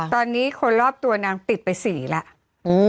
ตอนนี้คนรอบตัวนางติดไป๔แล้ว